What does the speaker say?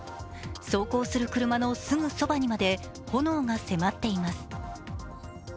走行する車のすぐそばにまで炎が迫っています。